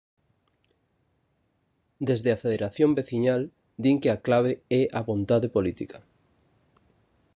Desde a federación veciñal din que a clave é a vontade política.